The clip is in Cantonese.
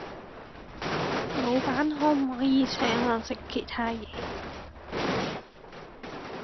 老闆可唔可以請我食其他野